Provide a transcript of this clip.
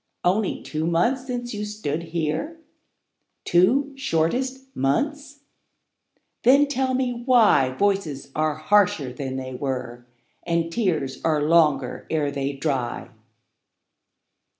Only two months since you stood here? Two shortest months? Then tell me why 10 Voices are harsher than they were, And tears are longer ere they dry.